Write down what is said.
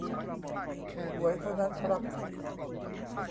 หวยเท่านั้นครับ